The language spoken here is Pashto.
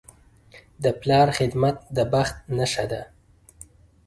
د پلار خدمت د بخت نښه ده.